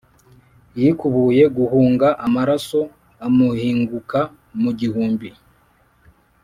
Yikubuye guhunga amaraso amuhinguka mu gihumbi,